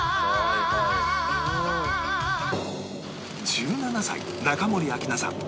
１７歳中森明菜さん